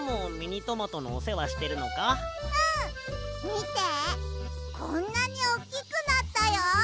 みてこんなにおっきくなったよ！